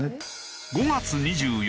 ５月２４